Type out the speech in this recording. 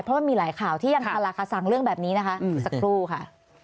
เพราะมันมีหลายข่าวที่ยังคาราคาสังเรื่องแบบนี้นะคะสักครู่ค่ะ